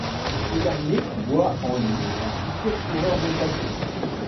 Ce dernier voit en lui un futur coureur de classiques.